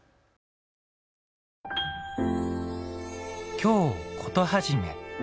「京コトはじめ」